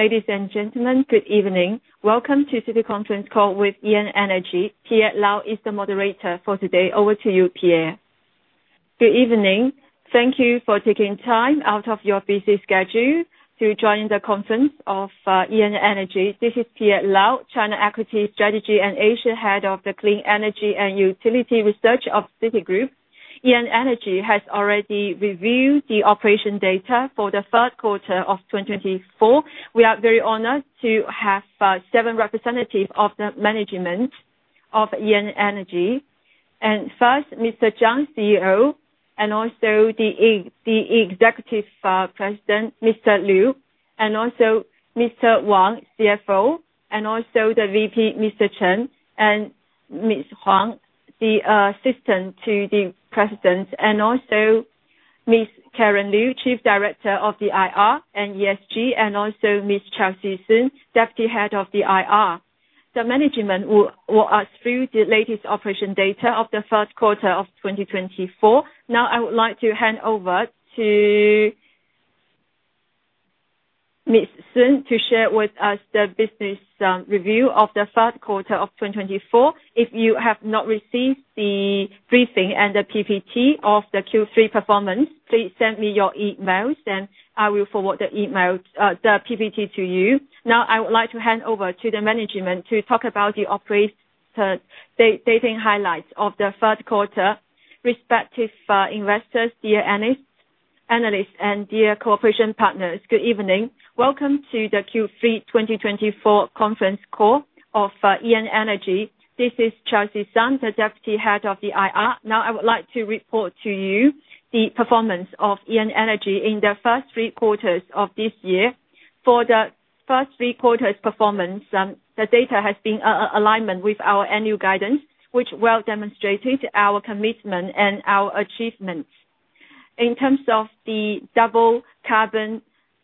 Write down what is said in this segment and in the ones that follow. Ladies and gentlemen, good evening. Welcome to Citi Conference Call with ENN Energy. Pierre Lau is the moderator for today. Over to you, Pierre. Good evening. Thank you for taking time out of your busy schedule to join the conference of ENN Energy. This is Pierre Lau, China Equity Strategy and Asia, Head of the Clean Energy and Utility Research of Citigroup. ENN Energy has already reviewed the operation data for the third quarter of twenty twenty-four. We are very honored to have seven representatives of the management of ENN Energy. And first, Mr. Zhang, CEO, and also the executive president, Mr. Liu, and also Mr. Wang, CFO, and also the VP, Mr. Chen, and Ms. Huang, the assistant to the president, and also Ms. Karen Liu, Chief Director of the IR and ESG, and also Ms. Chelsea Sun, Deputy Head of the IR. The management will walk us through the latest operation data of the first quarter of twenty twenty-four. Now I would like to hand over to Ms. Sun to share with us the business review of the third quarter of twenty twenty-four. If you have not received the briefing and the PPT of the Q3 performance, please send me your emails and I will forward the email, the PPT to you. Now, I would like to hand over to the management to talk about the operating highlights of the third quarter. Respected investors, dear analysts and dear cooperation partners, good evening. Welcome to the Q3 twenty twenty-four conference call of ENN Energy. This is Chelsea Sun, the Deputy Head of the IR. Now, I would like to report to you the performance of ENN Energy in the first three quarters of this year. For the first three quarters' performance, the data has been in alignment with our annual guidance, which well demonstrated our commitment and our achievements. In terms of the double carbon goal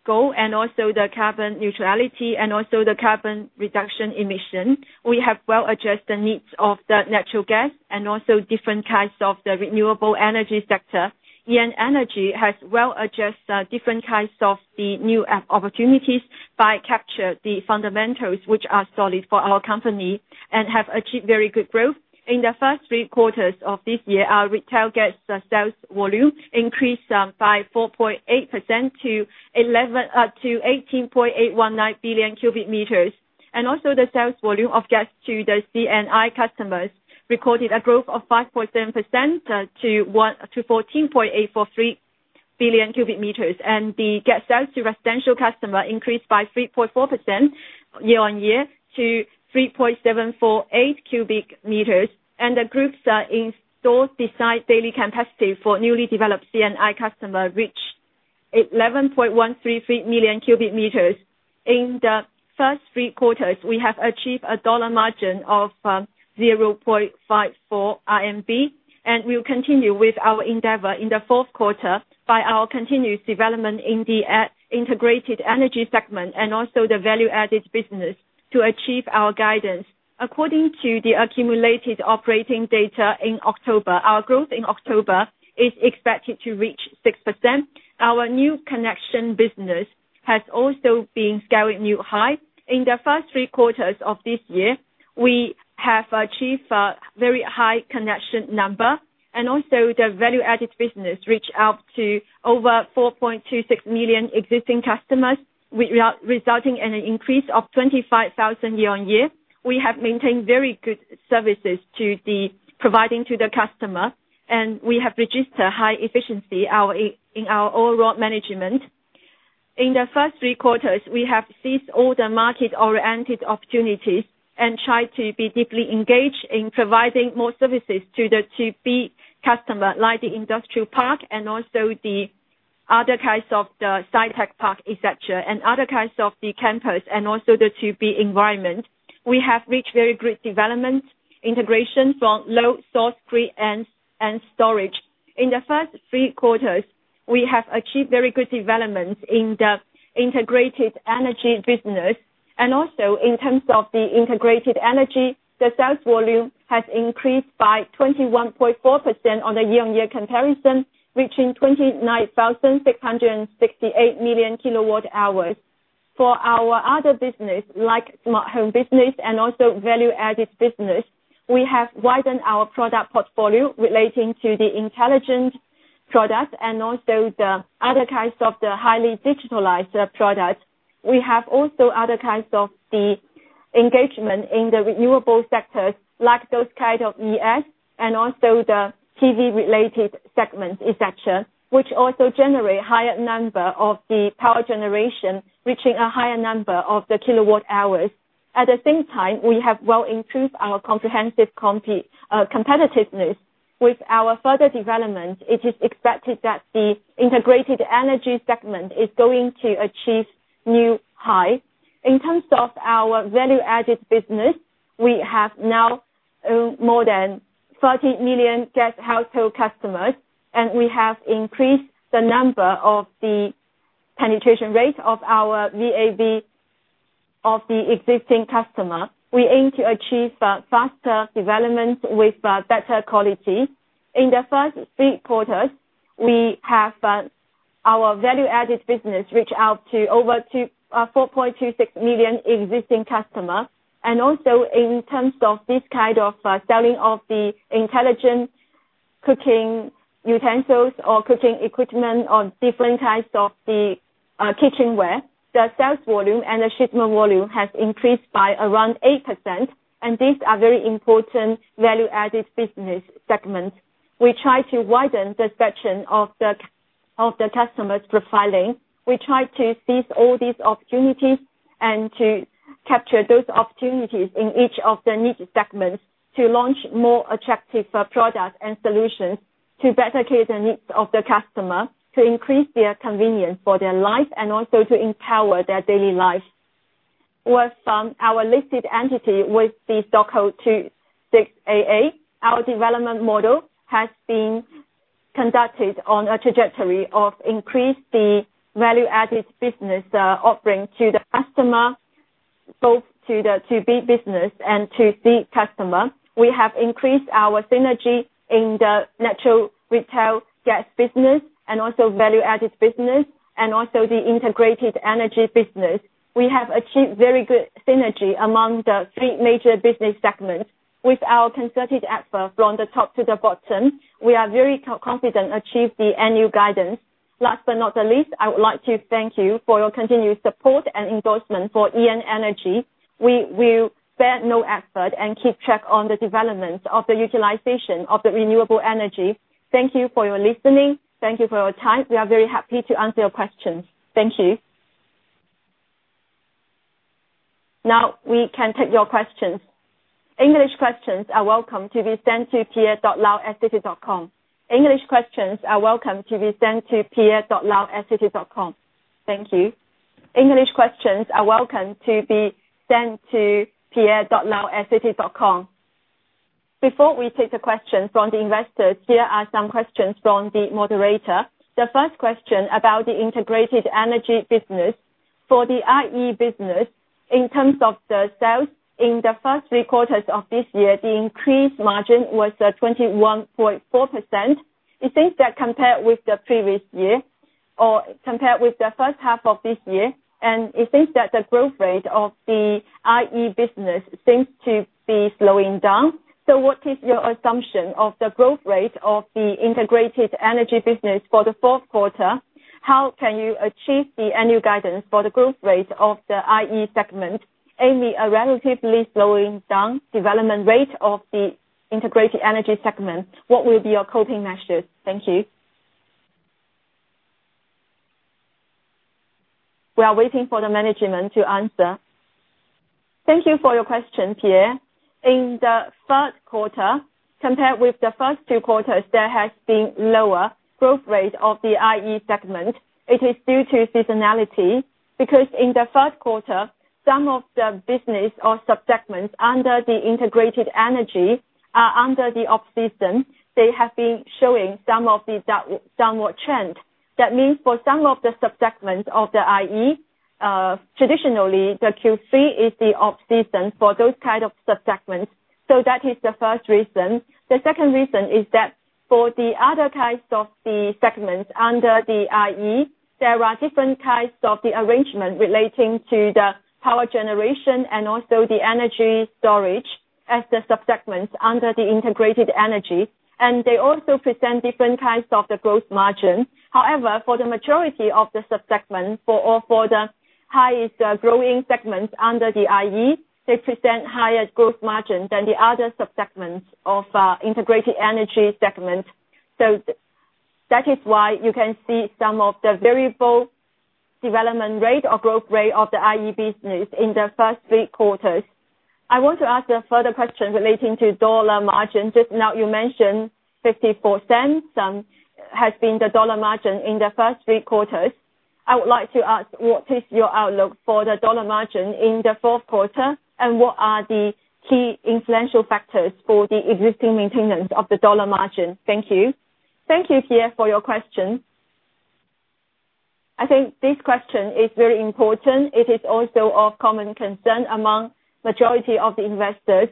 and also the Carbon Neutrality and also the carbon emission reduction, we have well addressed the needs of the natural gas and also different kinds of the renewable energy sector. ENN Energy has well adjusted different kinds of the new opportunities by capturing the fundamentals, which are solid for our company and have achieved very good growth. In the first three quarters of this year, our retail gas sales volume increased by 4.8% to 18.819 billion cubic meters. Also, the sales volume of gas to the CNI customers recorded a growth of 5.7% to 14.843 billion cubic meters. The gas sales to residential customers increased by 3.4% year on year to 3.748 billion cubic meters. The Group's installed base daily capacity for newly developed C&I customers reached 11.133 million cubic meters. In the first three quarters, we have achieved a dollar margin of 0.54 RMB, and we will continue with our endeavor in the fourth quarter by our continuous development in the integrated energy segment and also the value-added business to achieve our guidance. According to the accumulated operating data in October, our growth in October is expected to reach 6%. Our new connection business has also been scaling new heights. In the first three quarters of this year, we have achieved very high connection number and also the value-added business reach out to over 4.26 million existing customers, resulting in an increase of 25,000 year on year. We have maintained very good services providing to the customer, and we have registered high efficiency in our overall management. In the first three quarters, we have seized all the market-oriented opportunities and tried to be deeply engaged in providing more services to the customer, like the industrial park and also the other kinds of the sci-tech park, et cetera, and other kinds of the campus and also the To-B environment. We have reached very good development, integration from low-carbon source, grid, and storage. In the first three quarters, we have achieved very good developments in the integrated energy business, and also in terms of the integrated energy, the sales volume has increased by 21.4% on a year-on-year comparison, reaching 29,668 million kilowatt hours. For our other business, like smart home business and also value-added business, we have widened our product portfolio relating to the intelligent products and also the other kinds of the highly digitalized products. We have also other kinds of the engagement in the renewable sectors, like those kind of ES and also the PV-related segments, et cetera, which also generate higher number of the power generation, reaching a higher number of the kilowatt hours. At the same time, we have well improved our comprehensive competitiveness. With our further development, it is expected that the integrated energy segment is going to achieve new heights. In terms of our value-added business, we have now more than 30 million gas household customers, and we have increased the number of the penetration rate of our VAB of the existing customer. We aim to achieve faster development with better quality. In the first three quarters, we have our value-added business reach out to over 2.46 million existing customers. And also, in terms of this kind of selling of the intelligent cooking utensils or cooking equipment or different types of the kitchenware, the sales volume and the shipment volume has increased by around 8%, and these are very important value-added business segments. We try to widen the section of the customer's profiling. We try to seize all these opportunities and to capture those opportunities in each of the niche segments to launch more attractive products and solutions to better cater the needs of the customer, to increase their convenience for their life, and also to empower their daily life. With our listed entity with the stock code 2688, our development model has been conducted on a trajectory of increase the value-added business offering to the customer, both to the big business and to the customer. We have increased our synergy in the natural retail gas business and also value-added business and also the integrated energy business. We have achieved very good synergy among the three major business segments. With our concerted effort from the top to the bottom, we are very confident achieve the annual guidance. Last but not the least, I would like to thank you for your continued support and endorsement for ENN Energy. We will spare no effort and keep track on the development of the utilization of the renewable energy. Thank you for your listening. Thank you for your time. We are very happy to answer your questions. Thank you. Now, we can take your questions. English questions are welcome to be sent to pierre.lau@citi.com. Thank you. Before we take the questions from the investors, here are some questions from the moderator. The first question about the integrated energy business. For the IE business, in terms of the sales in the first three quarters of this year, the increased margin was 21.4%. It seems that compared with the previous year or compared with the first half of this year, and it seems that the growth rate of the IE business seems to be slowing down. So what is your assumption of the growth rate of the integrated energy business for the fourth quarter? How can you achieve the annual guidance for the growth rate of the IE segment, aiming a relatively slowing down development rate of the integrated energy segment? What will be your coping measures? Thank you. We are waiting for the management to answer. Thank you for your question, Pierre. In the third quarter, compared with the first two quarters, there has been lower growth rate of the IE segment. It is due to seasonality, because in the third quarter, some of the business or sub-segments under the integrated energy are under the off-season, they have been showing some of the down, downward trend. That means for some of the sub-segments of the IE, traditionally, the Q3 is the off-season for those kind of sub-segments. So that is the first reason. The second reason is that for the other types of the segments under the IE, there are different types of the arrangement relating to the power generation and also the energy storage as the sub-segments under the integrated energy, and they also present different types of the growth margin. However, for the majority of the sub-segments, for all, for the highest, growing segments under the IE, they present higher growth margin than the other sub-segments of, integrated energy segment. That is why you can see some of the variable development rate or growth rate of the IE business in the first three quarters. I want to ask a further question relating to dollar margin. Just now, you mentioned 0.54 has been the dollar margin in the first three quarters. I would like to ask, what is your outlook for the dollar margin in the fourth quarter? And what are the key influential factors for the existing maintenance of the dollar margin? Thank you. Thank you, Pierre, for your question. I think this question is very important. It is also of common concern among majority of the investors.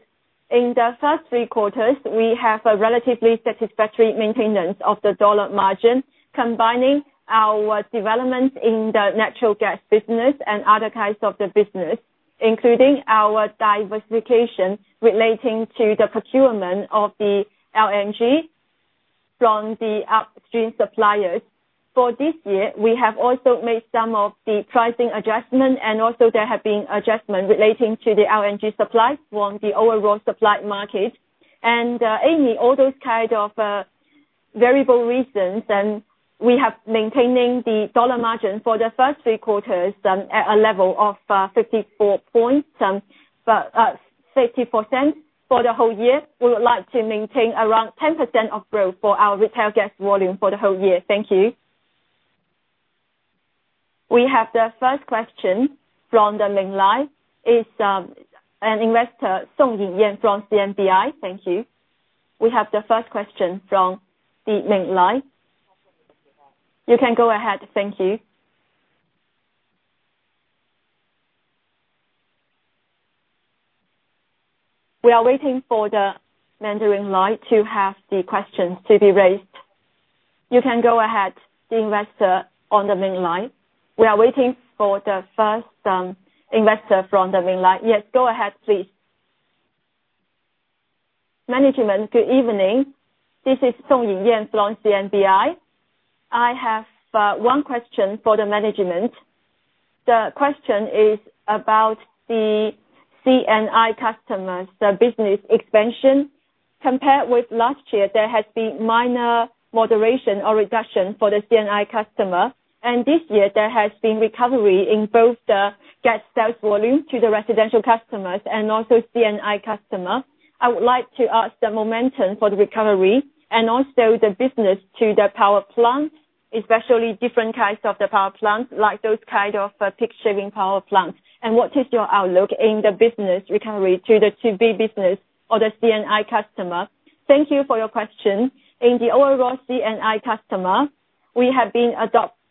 In the first three quarters, we have a relatively satisfactory maintenance of the dollar margin, combining our development in the natural gas business and other kinds of the business, including our diversification relating to the procurement of the LNG from the upstream suppliers. For this year, we have also made some of the pricing adjustment, and also there have been adjustments relating to the LNG supply from the overall supply market. And mainly all those kind of variable reasons, and we have maintaining the dollar margin for the first three quarters at a level of 54.5% for the whole year. We would like to maintain around 10% of growth for our retail gas volume for the whole year. Thank you. We have the first question from the line of Song Yinyan from CMBI. Thank you. We have the first question from the main line. You can go ahead. Thank you. We are waiting for the Mandarin line to have the questions to be raised. You can go ahead, the investor on the main line. We are waiting for the first investor from the main line. Yes, go ahead, please. Management, good evening. This is Song Yinyan from CMBI. I have one question for the management. The question is about the CNI customers, the business expansion. Compared with last year, there has been minor moderation or reduction for the CNI customer, and this year there has been recovery in both the gas sales volume to the residential customers and also CNI customer. I would like to ask the momentum for the recovery and also the business to the power plant, especially different kinds of the power plants, like those kind of, peak shaving power plants. What is your outlook in the business recovery to the 2B business or the CNI customer? Thank you for your question. In the overall CNI customer, we have been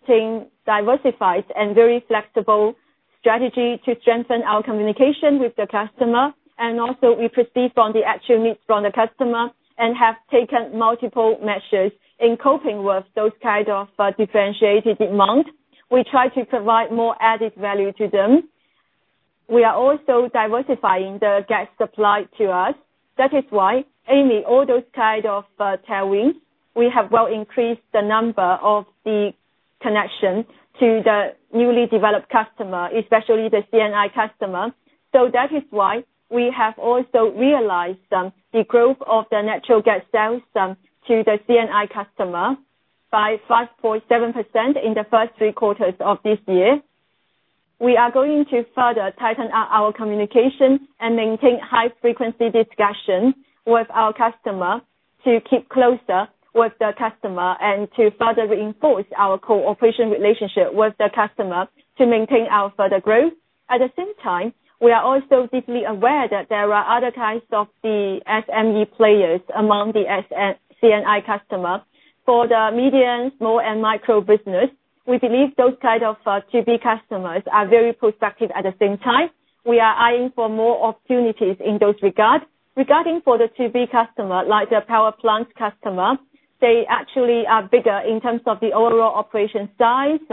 adopting diversified and very flexible strategy to strengthen our communication with the customer, and also we proceed from the actual needs from the customer and have taken multiple measures in coping with those kind of, differentiated demand. We try to provide more added value to them. We are also diversifying the gas supply to us. That is why in all those kind of, tailwinds, we have well increased the number of the connection to the newly developed customer, especially the CNI customer. So that is why we have also realized the growth of the natural gas sales to the CNI customer by 5.7% in the first three quarters of this year. We are going to further tighten up our communication and maintain high-frequency discussions with our customer to keep closer with the customer and to further reinforce our cooperation relationship with the customer to maintain our further growth. At the same time, we are also deeply aware that there are other kinds of the SME players among the non-CNI customer. For the medium, small, and micro business, we believe those kind of to-b customers are very prospective. At the same time, we are eyeing for more opportunities in those regards. Regarding for the To-B customer, like the power plant customer, they actually are bigger in terms of the overall operation size,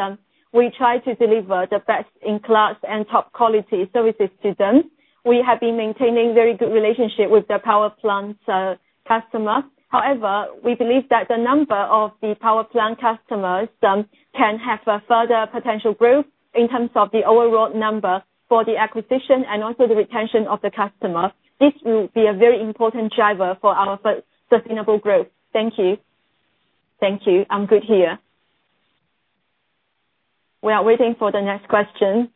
we try to deliver the best-in-class and top-quality services to them. We have been maintaining very good relationship with the power plants customer. However, we believe that the number of the power plant customers can have a further potential growth in terms of the overall number for the acquisition and also the retention of the customer. This will be a very important driver for our sustainable growth. Thank you. Thank you. I'm good here. We are waiting for the next question.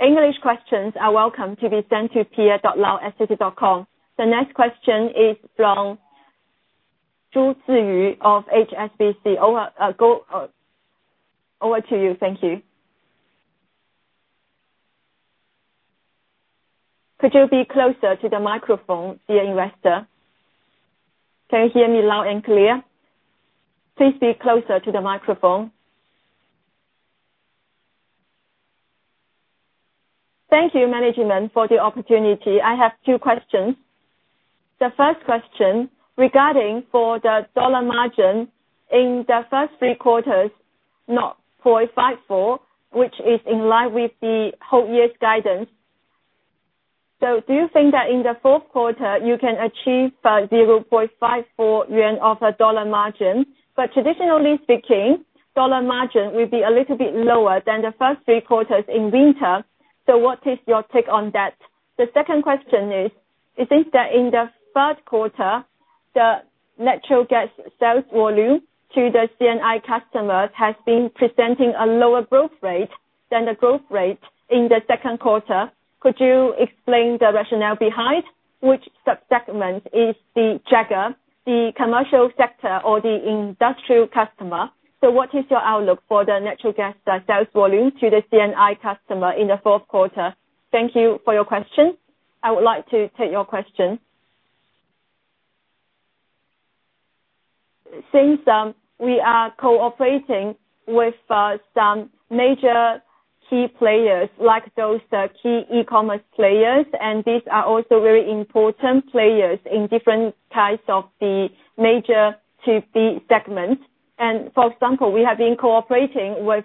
English questions are welcome to be sent to pierre lau@citi.com. The next question is from Zhu Ziyu of HSBC. Over, go, over to you. Thank you. Could you be closer to the microphone, dear investor? Can you hear me loud and clear? Please be closer to the microphone. Thank you, management, for the opportunity. I have two questions. The first question: regarding the dollar margin in the first three quarters, 0.54, which is in line with the whole year's guidance. So do you think that in the fourth quarter, you can achieve 0.54 yuan dollar margin? But traditionally speaking, dollar margin will be a little bit lower than the first three quarters in winter, so what is your take on that? The second question is: it seems that in the third quarter, the natural gas sales volume to the CNI customers has been presenting a lower growth rate than the growth rate in the second quarter. Could you explain the rationale behind which subsegment is the driver, the commercial sector or the industrial customer? So what is your outlook for the natural gas sales volume to the CNI customer in the fourth quarter? Thank you for your question. I would like to take your question. Since we are cooperating with some major key players, like those key e-commerce players, and these are also very important players in different types of the major to-b segments. And for example, we have been cooperating with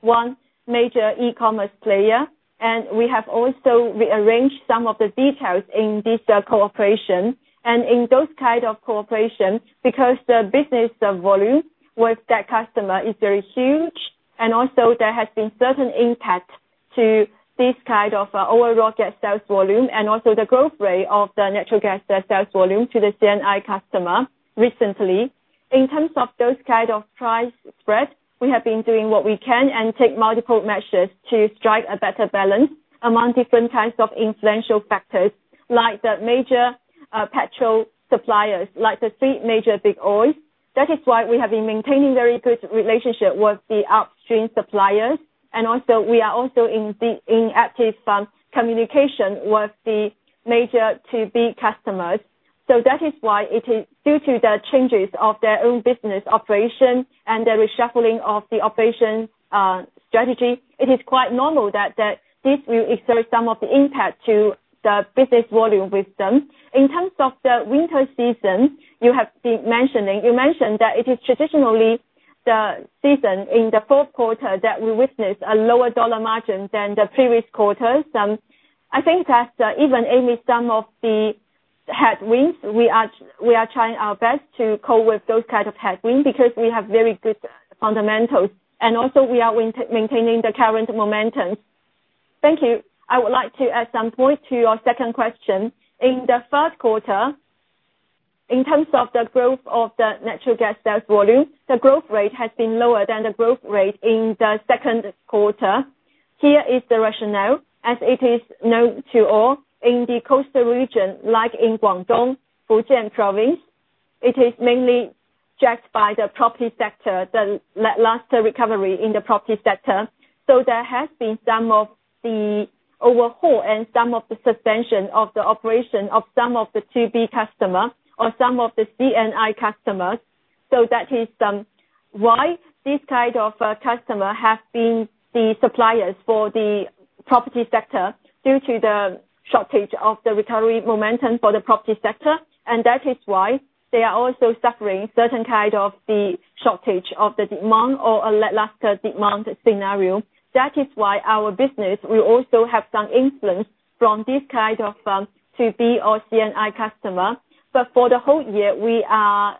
one major e-commerce player, and we have also rearranged some of the details in this cooperation. And in those kind of cooperation, because the business volume with that customer is very huge, and also there has been certain impact to this kind of overall gas sales volume, and also the growth rate of the natural gas sales volume to the CNI customer recently. In terms of those kind of price spreads, we have been doing what we can and take multiple measures to strike a better balance among different types of influential factors, like the major petro suppliers, like the three major big oils. That is why we have been maintaining very good relationship with the upstream suppliers, and also, we are also in active communication with the major To-B customers. So that is why it is due to the changes of their own business operation and the reshuffling of the operation strategy, it is quite normal that this will exert some of the impact to the business volume with them. In terms of the winter season, you have been mentioning, you mentioned that it is traditionally the season in the fourth quarter that we witness a lower dollar margin than the previous quarters. I think that, even amid some of the headwinds, we are trying our best to cope with those kind of headwinds because we have very good fundamentals, and also we are maintaining the current momentum. Thank you. I would like to add some point to your second question. In the third quarter, in terms of the growth of the natural gas sales volume, the growth rate has been lower than the growth rate in the second quarter. Here is the rationale, as it is known to all, in the coastal region, like in Guangdong, Fujian Province, it is mainly driven by the property sector, the last recovery in the property sector. So there has been some of the overhaul and some of the suspension of the operation of some of the 2B customer or some of the CNI customers. So that is why this kind of customer have been the suppliers for the property sector due to the shortage of the recovery momentum for the property sector, and that is why they are also suffering certain kind of the shortage of the demand or lesser demand scenario. That is why our business will also have some influence from this kind of 2B or CNI customer. But for the whole year, we are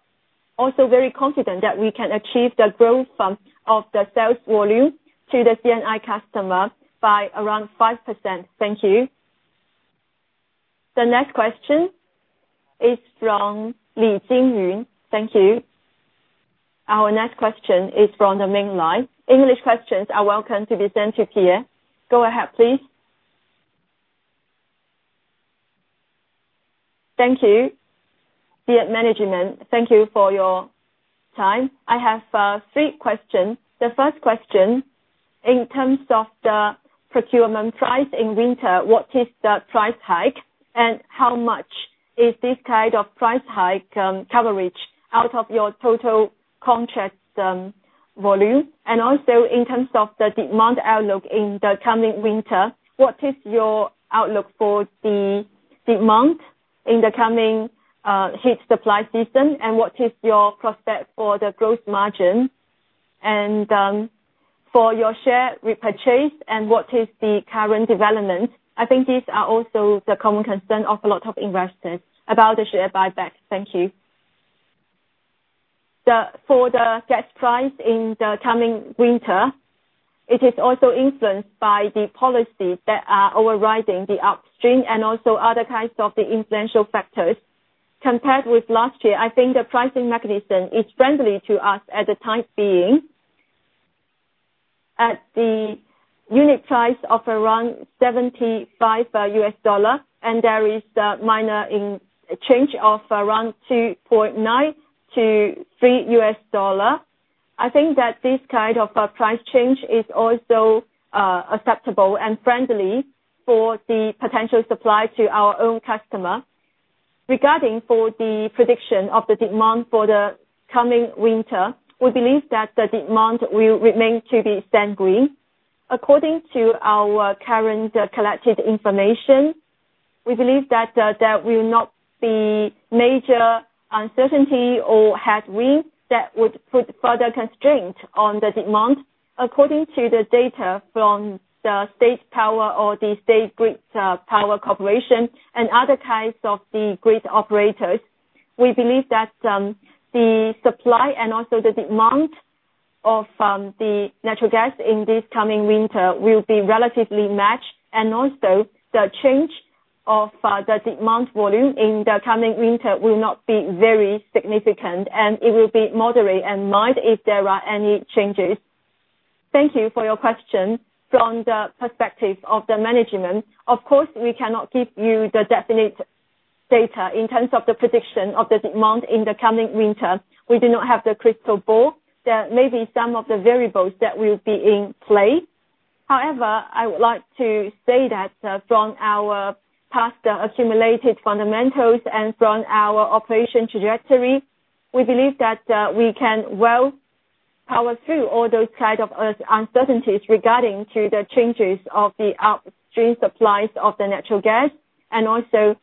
also very confident that we can achieve the growth of the sales volume to the CNI customer by around 5%. Thank you. The next question is from Li Jingyun. Thank you. Our next question is from the Ming Lai. English questions are welcome to be sent to Pierre. Go ahead, please. Thank you, dear management. Thank you for your time. I have three questions. The first question, in terms of the procurement price in winter, what is the price hike, and how much is this kind of price hike, coverage out of your total contract, volume? And also, in terms of the demand outlook in the coming winter, what is your outlook for the demand in the coming, heat supply season, and what is your prospect for the growth margin? And, for your share repurchase, and what is the current development? I think these are also the common concern of a lot of investors about the share buyback. Thank you. For the gas price in the coming winter, it is also influenced by the policies that are overriding the upstream and also other kinds of the influential factors. Compared with last year, I think the pricing mechanism is friendly to us at the time being. At the unit price of around $75, and there is a minor change of around $2.9-$3. I think that this kind of price change is also acceptable and friendly for the potential supply to our own customer. Regarding the prediction of the demand for the coming winter, we believe that the demand will remain to be steady green. According to our current collected information, we believe that there will not be major uncertainty or headwinds that would put further constraint on the demand. According to the data from the state power or the state grid power corporation and other types of the grid operators, we believe that the supply and also the demand of the natural gas in this coming winter will be relatively matched, and also the change of the demand volume in the coming winter will not be very significant, and it will be moderate and mild if there are any changes. Thank you for your question. From the perspective of the management, of course, we cannot give you the definite data in terms of the prediction of the demand in the coming winter. We do not have the crystal ball. There may be some of the variables that will be in play. However, I would like to say that, from our past accumulated fundamentals and from our operation trajectory, we believe that we can well power through all those kind of uncertainties regarding to the changes of the upstream supplies of the natural gas, and also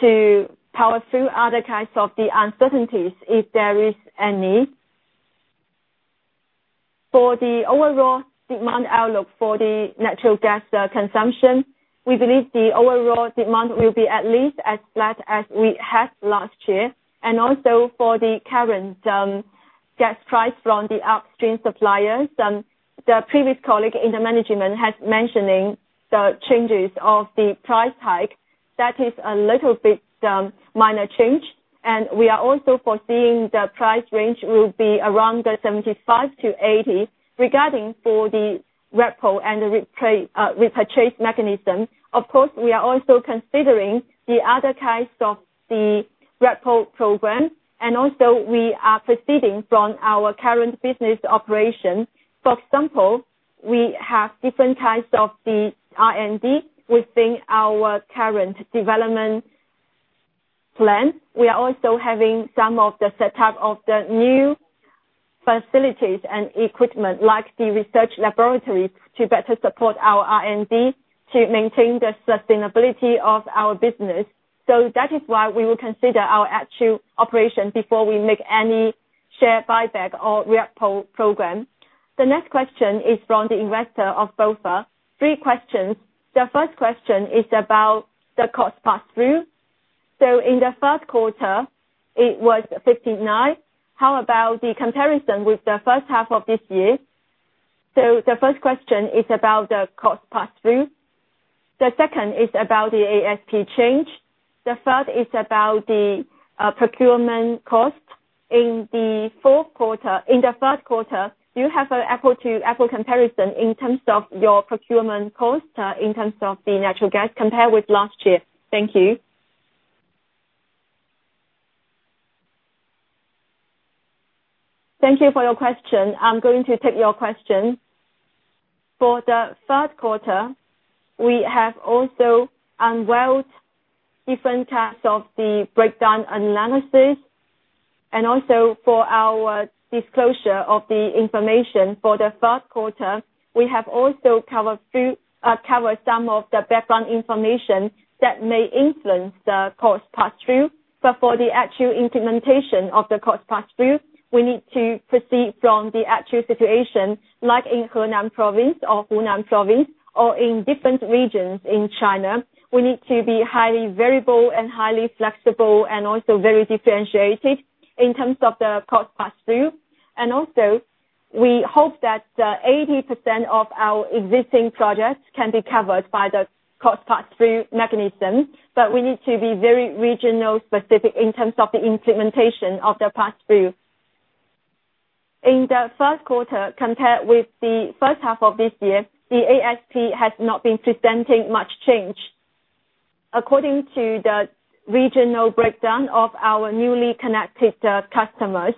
to power through other kinds of the uncertainties, if there is any. For the overall demand outlook for the natural gas consumption, we believe the overall demand will be at least as flat as we had last year, and also for the current gas price from the upstream suppliers. The previous colleague in the management has mentioning the changes of the price hike. That is a little bit minor change, and we are also foreseeing the price range will be around 75-80. Regarding the repurchase mechanism, of course, we are also considering the other kinds of the repo program, and also we are proceeding from our current business operation. For example, we have different types of the R&D within our current development plan. We are also having some of the setup of the new facilities and equipment, like the research laboratory, to better support our R&D, to maintain the sustainability of our business. So that is why we will consider our actual operation before we make any share buyback or repurchase program. The next question is from the investor of BofA. Three questions. The first question is about the cost pass-through. So in the third quarter, it was 59. How about the comparison with the first half of this year? So the first question is about the cost pass-through. The second is about the ASP change. The third is about the procurement cost. In the fourth quarter, in the third quarter, do you have an apples-to-apples comparison in terms of your procurement cost in terms of the natural gas compared with last year? Thank you. Thank you for your question. I'm going to take your question. For the third quarter, we have also unveiled different types of the breakdown analysis, and also for our disclosure of the information for the first quarter, we have also covered some of the background information that may influence the cost pass-through. But for the actual implementation of the cost pass-through, we need to proceed from the actual situation, like in Hunan Province, or in different regions in China. We need to be highly variable and highly flexible, and also very differentiated in terms of the cost pass-through, and also we hope that 80% of our existing projects can be covered by the cost pass-through mechanism, but we need to be very regional specific in terms of the implementation of the pass-through. In the first quarter, compared with the first half of this year, the ASP has not been presenting much change, according to the regional breakdown of our newly connected customers,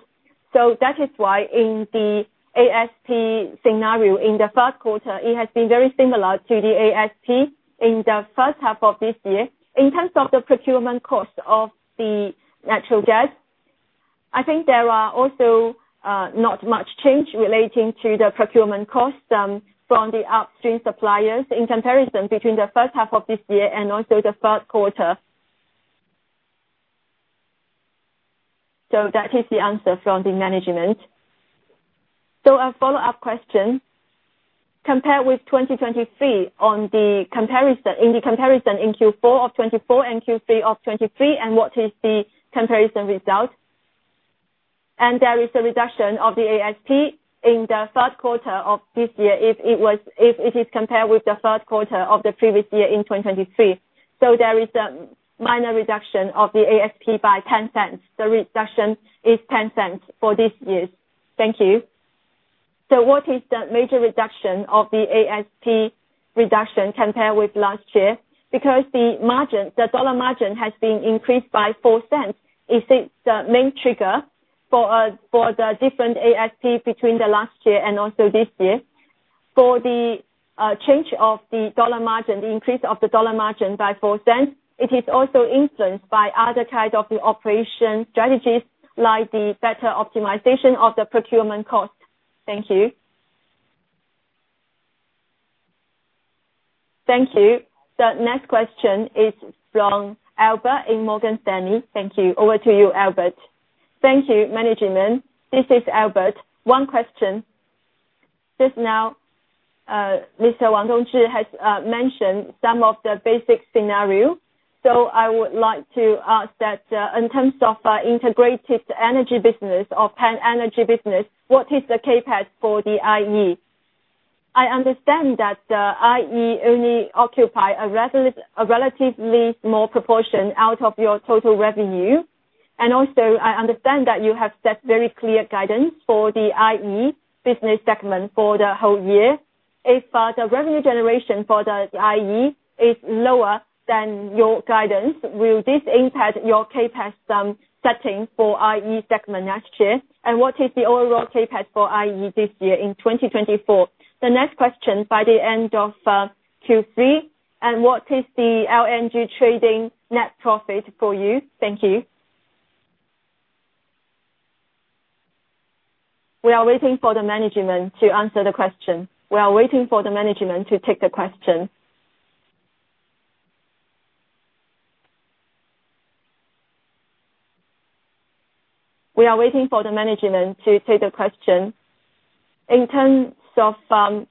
so that is why, in the ASP scenario, in the first quarter, it has been very similar to the ASP in the first half of this year. In terms of the procurement cost of the natural gas, I think there are also, not much change relating to the procurement cost, from the upstream suppliers in comparison between the first half of this year and also the third quarter. So that is the answer from the management. So a follow-up question: compared with 2023, on the comparison, in the comparison in Q4 of 2024 and Q3 of 2023, and what is the comparison result? And there is a reduction of the ASP in the third quarter of this year, if it is compared with the third quarter of the previous year in 2023. So there is a minor reduction of the ASP by 0.10. The reduction is 0.10 for this year. Thank you. So what is the major reduction of the ASP reduction compared with last year? Because the margin, the dollar margin, has been increased by four cents. Is it the main trigger for the different ASP between the last year and also this year? For the change of the dollar margin, the increase of the dollar margin by four cents, it is also influenced by other types of the operation strategies, like the better optimization of the procurement cost. Thank you. Thank you. The next question is from Albert in Morgan Stanley. Thank you. Over to you, Albert. Thank you, management. This is Albert. One question. Just now Mr. Wang Dongzhi has mentioned some of the basic scenario. So I would like to ask that, in terms of integrated energy business or pan-energy business, what is the CapEx for the IE? I understand that IE only occupy a relatively small proportion out of your total revenue. And also, I understand that you have set very clear guidance for the IE business segment for the whole year. If the revenue generation for the IE is lower than your guidance, will this impact your CapEx setting for IE segment next year? And what is the overall CapEx for IE this year in 2024? The next question, by the end of Q3, and what is the LNG trading net profit for you? Thank you. We are waiting for the management to answer the question. In terms of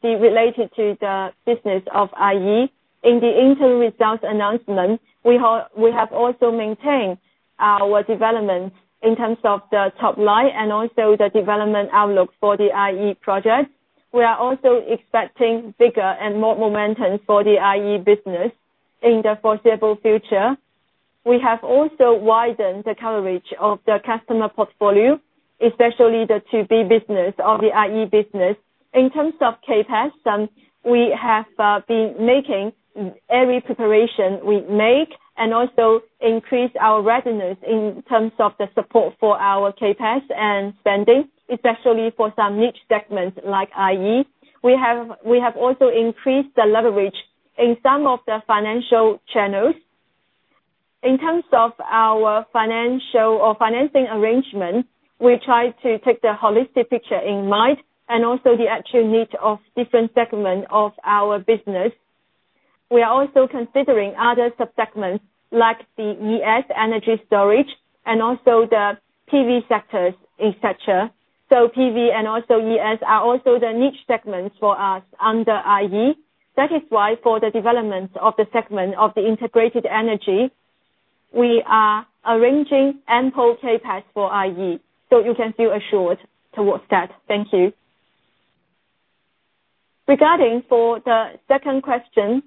related to the business of IE, in the interim results announcement, we have also maintained our development in terms of the top line and also the development outlook for the IE project. We are also expecting bigger and more momentum for the IE business in the foreseeable future. We have also widened the coverage of the customer portfolio, especially the to-B business or the IE business. In terms of CapEx, we have been making every preparation we make and also increase our readiness in terms of the support for our CapEx and spending, especially for some niche segments like IE. We have also increased the leverage in some of the financial channels. In terms of our financial or financing arrangement, we try to take the holistic picture in mind and also the actual need of different segments of our business. We are also considering other subsegments, like the ES, energy storage, and also the PV sectors, et cetera. So PV and also ES are also the niche segments for us under IE. That is why, for the development of the segment of the integrated energy, we are arranging ample CapEx for IE, so you can feel assured towards that. Thank you. Regarding for the second question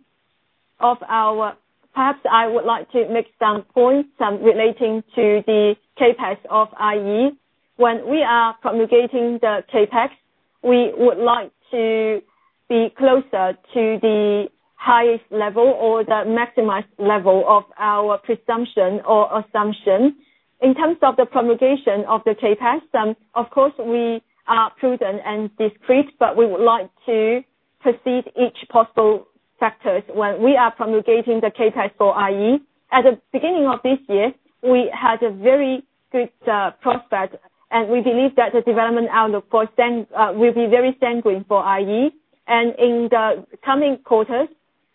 of our - perhaps I would like to make some points, relating to the CapEx of IE. When we are promulgating the CapEx, we would like to be closer to the highest level or the maximized level of our presumption or assumption. In terms of the promulgation of the CapEx, of course, we are prudent and discreet, but we would like to proceed each possible factors when we are promulgating the CapEx for IE. At the beginning of this year, we had a very good prospect, and we believe that the development outlook for then will be very sanguine for IE. And in the coming quarters,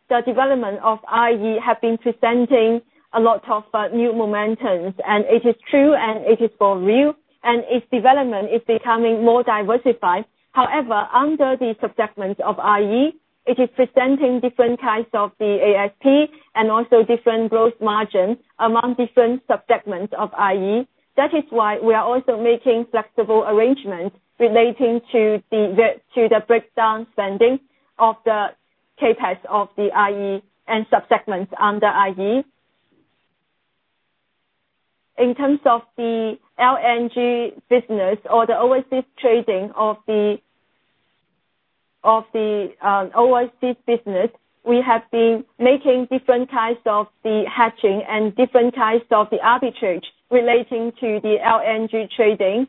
the development of IE have been presenting a lot of new momentums, and it is true, and it is for real, and its development is becoming more diversified. However, under the subsegments of IE, it is presenting different kinds of the ASP and also different growth margins among different subsegments of IE. That is why we are also making flexible arrangements relating to the to the breakdown spending of the CapEx of the IE and subsegments under IE. In terms of the LNG business or the overseas trading of the overseas business, we have been making different kinds of the hedging and different types of the arbitrage relating to the LNG trading,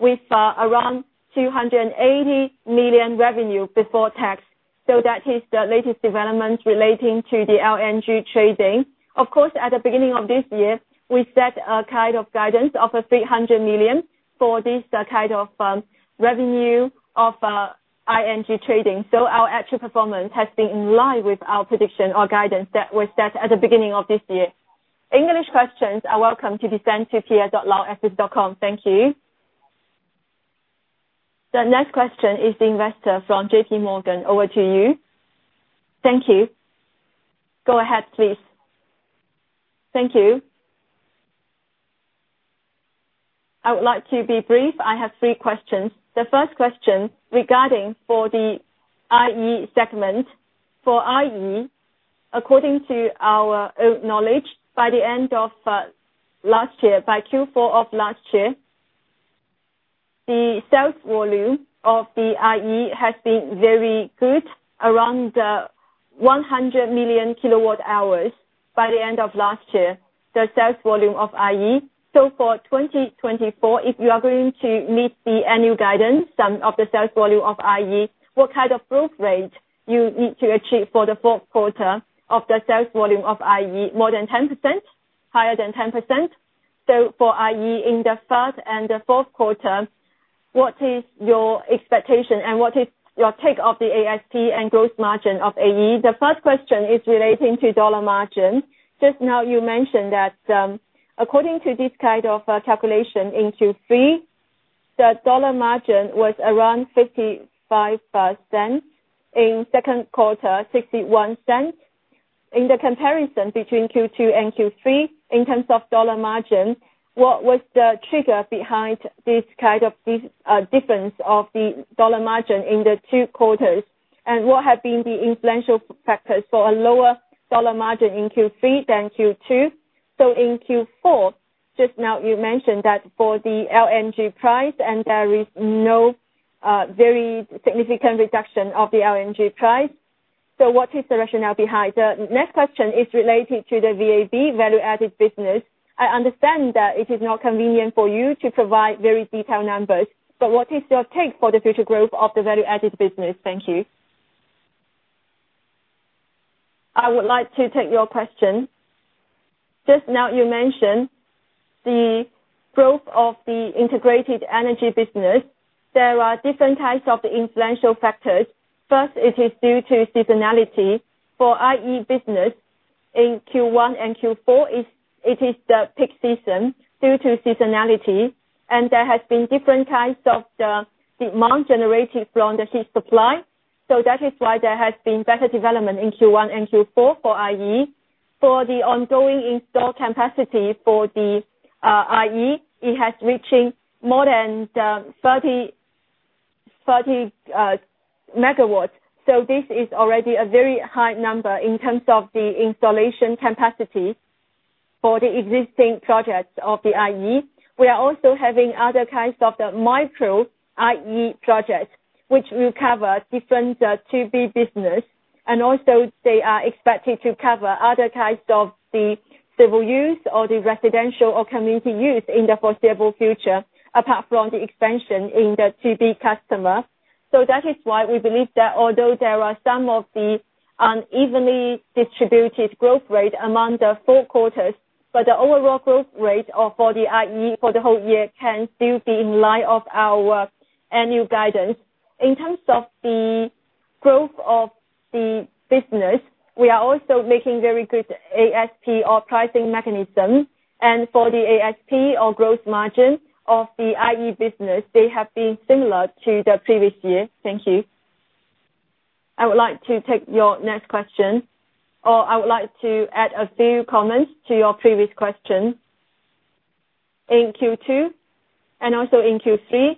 with around 280 million revenue before tax. So that is the latest development relating to the LNG trading. Of course, at the beginning of this year, we set a kind of guidance of 300 million for this kind of revenue of LNG trading. So our actual performance has been in line with our prediction or guidance that was set at the beginning of this year. English questions are welcome to be sent to pr.lau@citi.com. Thank you. The next question is the investor from J.P. Morgan. Over to you. Thank you. Go ahead, please. Thank you. I would like to be brief. I have three questions. The first question regarding for the IE segment. For IE, according to our own knowledge, by the end of last year, by Q4 of last year, the sales volume of the IE has been very good, around 100 million kilowatt hours by the end of last year, the sales volume of IE. So for 2024, if you are going to meet the annual guidance, some of the sales volume of IE, what kind of growth rate you need to achieve for the fourth quarter of the sales volume of IE? More than 10%? Higher than 10%? So for IE, in the first and the fourth quarter, what is your expectation, and what is your take of the ASP and growth margin of IE? The first question is relating to dollar margin. Just now, you mentioned that, according to this kind of calculation in Q3, the dollar margin was around 0.55, in second quarter, 0.61. In the comparison between Q2 and Q3, in terms of dollar margin, what was the trigger behind this kind of difference of the dollar margin in the two quarters? And what have been the influential factors for a lower dollar margin in Q3 than Q2? So in Q4, just now, you mentioned that for the LNG price, and there is no very significant reduction of the LNG price. So what is the rationale behind that? Next question is related to the VAB, value-added business. I understand that it is not convenient for you to provide very detailed numbers, but what is your take for the future growth of the value-added business? Thank you. I would like to take your question. Just now, you mentioned the growth of the integrated energy business. There are different types of influential factors. First, it is due to seasonality. For IE business, in Q1 and Q4, it is the peak season due to seasonality, and there has been different kinds of the demand generated from the heat supply. So that is why there has been better development in Q1 and Q4 for IE. For the ongoing installed capacity for the IE, it has reaching more than 30 megawatts. So this is already a very high number in terms of the installation capacity for the existing projects of the IE. We are also having other kinds of the micro IE projects, which will cover different 2B business. Also, they are expected to cover other types of the C&I use or the residential or community use in the foreseeable future, apart from the expansion in the to-B customer.... That is why we believe that although there are some of the unevenly distributed growth rate among the four quarters, but the overall growth rate of, for the IE for the whole year can still be in line of our annual guidance. In terms of the growth of the business, we are also making very good ASP or pricing mechanism, and for the ASP or growth margin of the IE business, they have been similar to the previous year. Thank you. I would like to take your next question, or I would like to add a few comments to your previous question. In Q2, and also in Q3,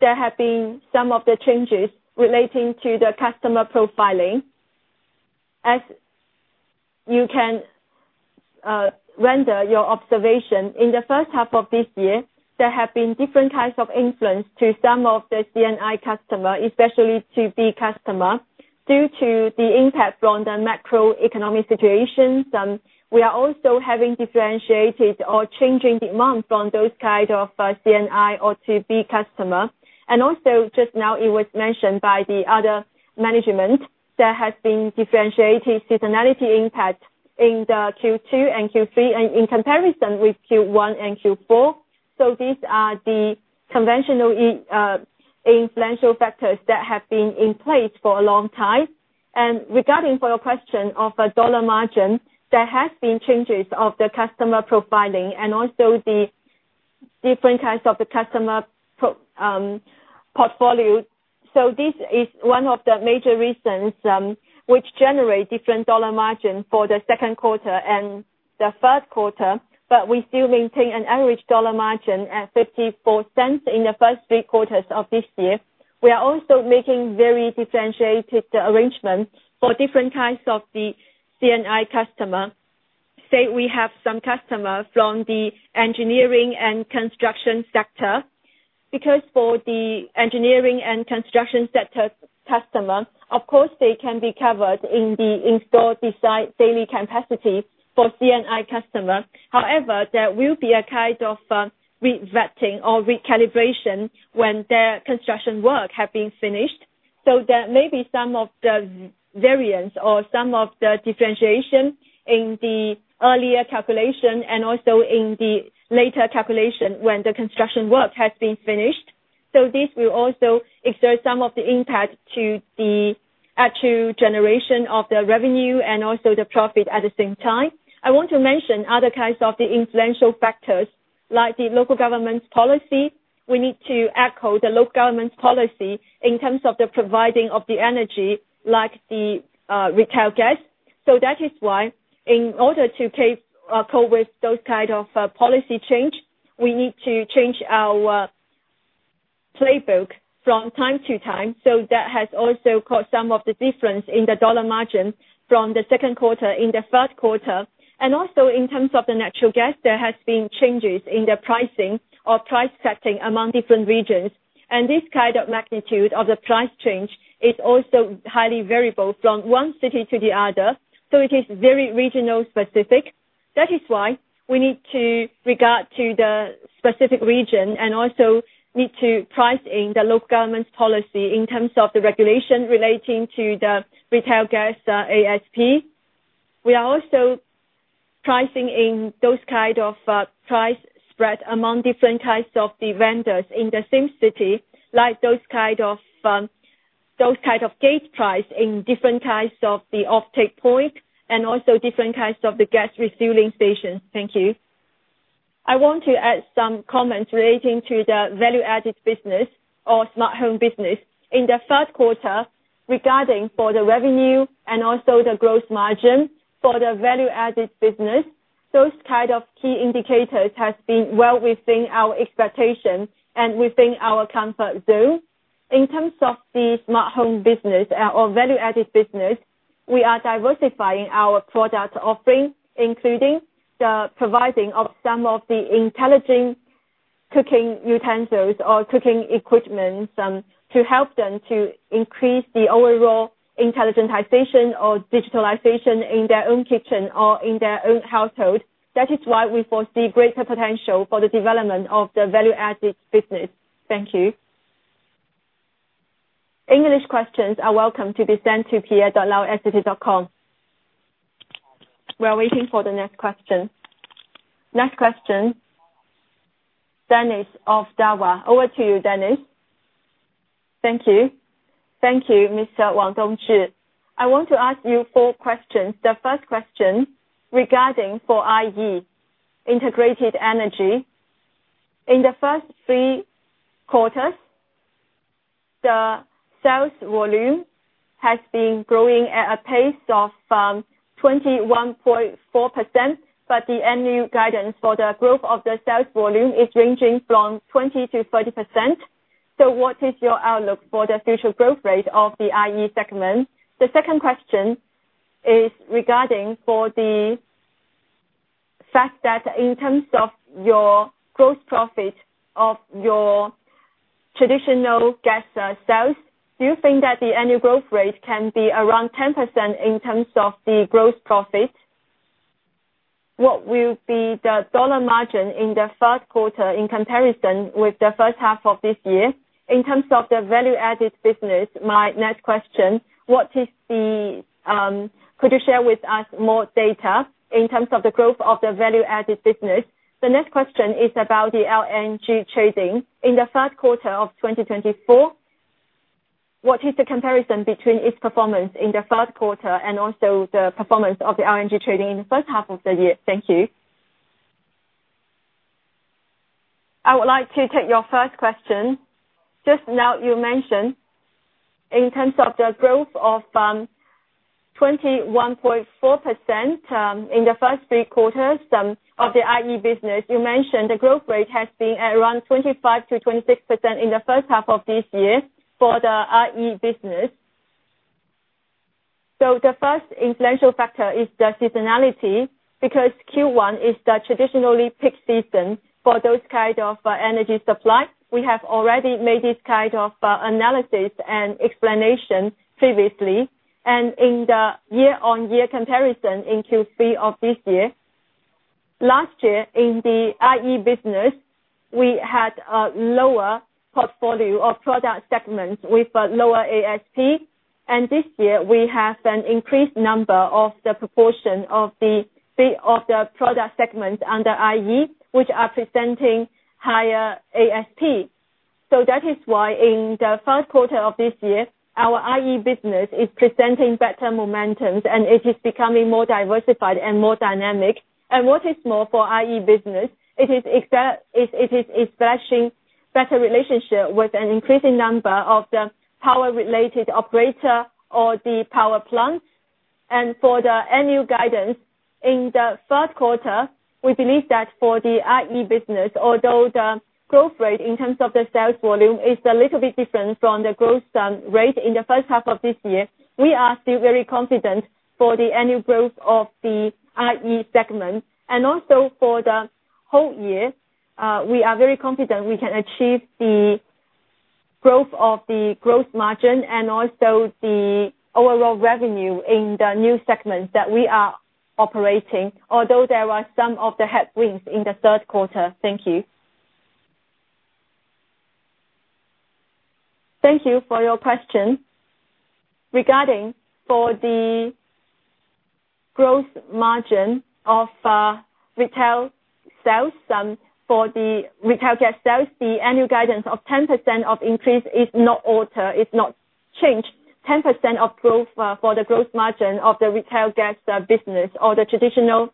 there have been some of the changes relating to the customer profiling. As you can render your observation, in the first half of this year, there have been different types of influence to some of the CNI customer, especially to the customer, due to the impact from the macroeconomic situation. Some, we are also having differentiated or changing demand from those kind of CNI or to B customer. And also, just now, it was mentioned by the other management, there has been differentiated seasonality impact in the Q2 and Q3, and in comparison with Q1 and Q4. So these are the conventional influential factors that have been in place for a long time. And regarding for your question of a dollar margin, there has been changes of the customer profiling and also the different kinds of the customer portfolio. So this is one of the major reasons, which generate different dollar margin for the second quarter and the first quarter, but we still maintain an average dollar margin at 0.54 in the first three quarters of this year. We are also making very differentiated arrangements for different kinds of the CNI customer. Say we have some customers from the engineering and construction sector, because for the engineering and construction sector customer, of course, they can be covered in the installed design daily capacity for CNI customer. However, there will be a kind of resetting or recalibration when their construction work have been finished. So there may be some of the variance or some of the differentiation in the earlier calculation and also in the later calculation when the construction work has been finished. So this will also exert some of the impact to the actual generation of the revenue and also the profit at the same time. I want to mention other kinds of the influential factors like the local government's policy. We need to echo the local government's policy in terms of the providing of the energy, like the retail gas. So that is why, in order to cope with those kind of policy change, we need to change our playbook from time to time. So that has also caused some of the difference in the dollar margin from the second quarter in the first quarter. And also, in terms of the natural gas, there has been changes in the pricing or price setting among different regions. And this kind of magnitude of the price change is also highly variable from one city to the other, so it is very regional specific. That is why we need to regard to the specific region and also need to price in the local government's policy in terms of the regulation relating to the retail gas, ASP. We are also pricing in those kind of, price spread among different types of the vendors in the same city, like those kind of, those type of gate price in different types of the offtake point and also different types of the gas refueling station. Thank you. I want to add some comments relating to the value-added business or smart home business. In the first quarter, regarding for the revenue and also the growth margin for the value-added business, those kind of key indicators has been well within our expectation and within our comfort zone. In terms of the smart home business, or value-added business, we are diversifying our product offerings, including the providing of some of the intelligent cooking utensils or cooking equipment, to help them to increase the overall intelligentization or digitalization in their own kitchen or in their own household. That is why we foresee greater potential for the development of the value-added business. Thank you. English questions are welcome to be sent to pr.lau@citi.com. We are waiting for the next question. Next question, Dennis of Daiwa. Over to you, Dennis. Thank you. Thank you, Mr. Wang Dongzhi. I want to ask you four questions. The first question regarding for IE, integrated energy. In the first three quarters, the sales volume has been growing at a pace of 21.4%, but the annual guidance for the growth of the sales volume is ranging from 20% to 30%. So what is your outlook for the future growth rate of the IE segment? The second question is regarding for the fact that in terms of your gross profit of your traditional gas sales, do you think that the annual growth rate can be around 10% in terms of the gross profit? What will be the dollar margin in the first quarter in comparison with the first half of this year? In terms of the value-added business, my next question, could you share with us more data in terms of the growth of the value-added business? The next question is about the LNG trading. In the third quarter of 2024, what is the comparison between its performance in the third quarter and also the performance of the LNG trading in the first half of the year? Thank you. I would like to take your first question. Just now, you mentioned in terms of the growth of 21.4% in the first three quarters of the IE business, you mentioned the growth rate has been at around 25%-26% in the first half of this year for the IE business. So the first influential factor is the seasonality, because Q1 is the traditionally peak season for those kind of energy supply. We have already made this kind of analysis and explanation previously, and in the year-on-year comparison in Q3 of this year, last year, in the IE business, we had a lower portfolio of product segments with a lower ASP, and this year, we have an increased number of the proportion of the fee of the product segment under IE, which are presenting higher ASP. That is why, in the first quarter of this year, our IE business is presenting better momentums, and it is becoming more diversified and more dynamic. What is more for IE business, it is establishing better relationship with an increasing number of the power-related operator or the power plants. And for the annual guidance, in the third quarter, we believe that for the IE business, although the growth rate in terms of the sales volume is a little bit different from the growth rate in the first half of this year, we are still very confident for the annual growth of the IE segment. And also for the whole year, we are very confident we can achieve the growth of the growth margin and also the overall revenue in the new segment that we are operating, although there are some of the headwinds in the third quarter. Thank you. Thank you for your question. Regarding for the growth margin of, retail sales, for the retail gas sales, the annual guidance of 10% increase is not altered, it's not changed. 10% of growth for the growth margin of the retail gas business or the traditional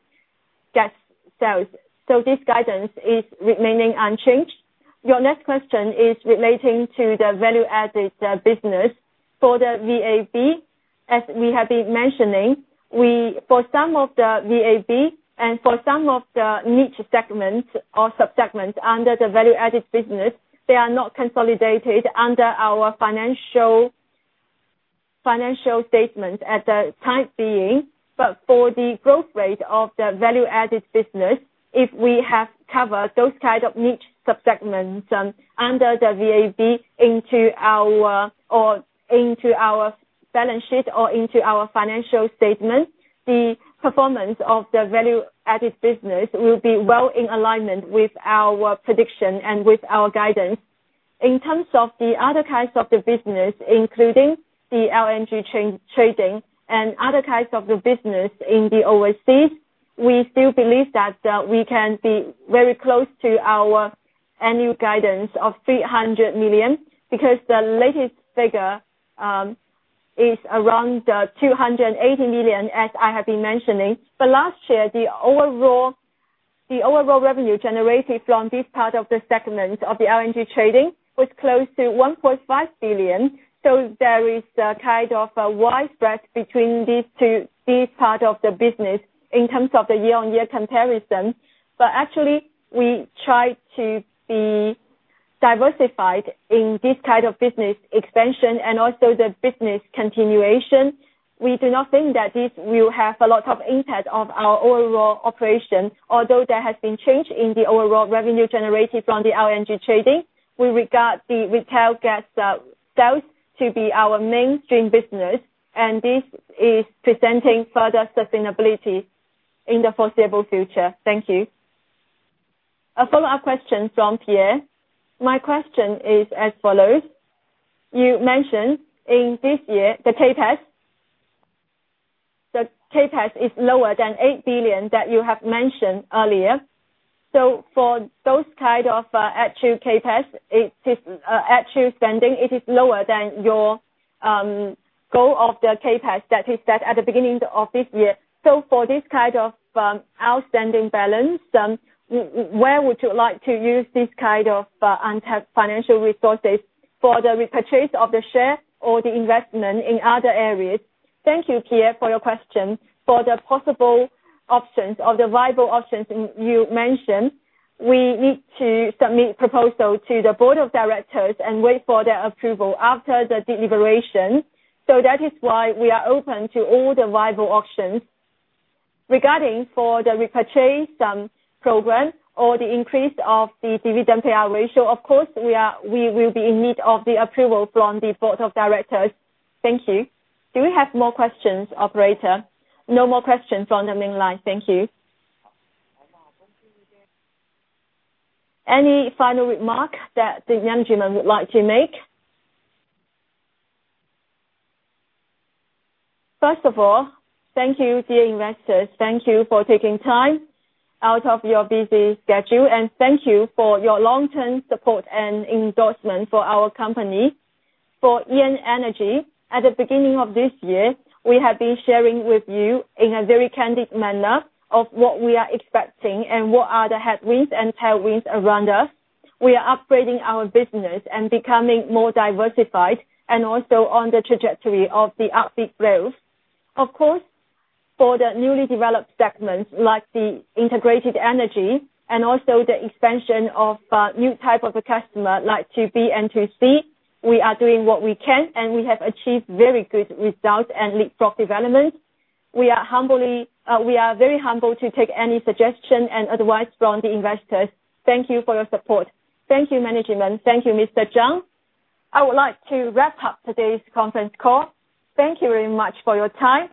gas sales. This guidance is remaining unchanged. Your next question is relating to the value-added business. For the VAB, as we have been mentioning, for some of the VAB and for some of the niche segments or sub-segments under the value-added business, they are not consolidated under our financial statement at the time being. But for the growth rate of the value-added business, if we have covered those kind of niche sub-segments under the VAB into our balance sheet or into our financial statement, the performance of the value-added business will be well in alignment with our prediction and with our guidance. In terms of the other kinds of the business, including the LNG trade, trading and other types of the business in the overseas, we still believe that we can be very close to our annual guidance of 300 million, because the latest figure is around 280 million, as I have been mentioning. But last year, the overall revenue generated from this part of the segment of the LNG trading was close to 1.5 billion, so there is a kind of a wide spread between these two, this part of the business in terms of the year-on-year comparison. But actually, we try to be diversified in this type of business expansion and also the business continuation. We do not think that this will have a lot of impact on our overall operations, although there has been change in the overall revenue generated from the LNG trading. We regard the retail gas sales to be our mainstream business, and this is presenting further sustainability in the foreseeable future. Thank you. A follow-up question from Pierre. My question is as follows: You mentioned in this year, the CapEx, the CapEx is lower than eight billion that you have mentioned earlier. So for those kind of actual CapEx, it is actual spending, it is lower than your goal of the CapEx that is set at the beginning of this year. So for this kind of outstanding balance, where would you like to use this kind of untapped financial resources, for the repurchase of the share or the investment in other areas? Thank you, Pierre, for your question. For the possible options or the viable options you mentioned, we need to submit proposal to the board of directors and wait for their approval after the deliberation. So that is why we are open to all the viable options. Regarding for the repurchase, program or the increase of the dividend payout ratio, of course, we will be in need of the approval from the board of directors. Thank you. Do we have more questions, operator? No more questions on the main line. Thank you. Any final remark that the management would like to make? First of all, thank you, dear investors. Thank you for taking time out of your busy schedule, and thank you for your long-term support and endorsement for our company. For ENN Energy, at the beginning of this year, we have been sharing with you in a very candid manner of what we are expecting and what are the headwinds and tailwinds around us. We are upgrading our business and becoming more diversified, and also on the trajectory of the upbeat growth. Of course, for the newly developed segments, like the integrated energy and also the expansion of new type of a customer, like 2B and To-C, we are doing what we can, and we have achieved very good results and leapfrog development. We are very humble to take any suggestion and advice from the investors. Thank you for your support. Thank you, management. Thank you, Mr. Zhang. I would like to wrap up today's conference call. Thank you very much for your time.